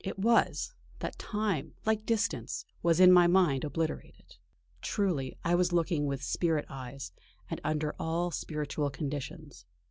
It was, that time, like distance, was in my mind obliterated. Truly, I was looking with spirit eyes, and under all spiritual conditions.